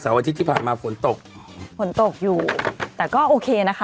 อาทิตย์ที่ผ่านมาฝนตกฝนตกอยู่แต่ก็โอเคนะคะ